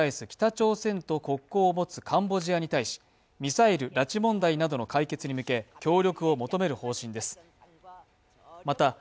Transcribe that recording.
北朝鮮国交を持つカンボジアに対しミサイル・拉致問題などの解決に向け協力を求める方針です。